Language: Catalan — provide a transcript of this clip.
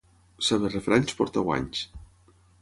Saber refranys porta guanys.